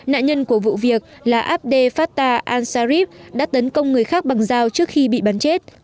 nạn nhân của vụ việc là abdel fatah al sarib đã tấn công người khác bằng dao trước khi bị bắn chết